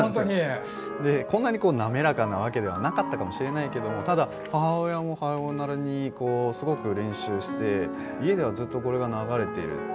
こんなに滑らかなわけではなかったかもしれないけれども母親も母親なりにすごく練習して、家ではずっとこれが流れている。